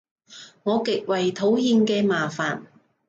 我極為討厭嘅麻煩